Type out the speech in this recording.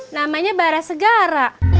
namanya barah segara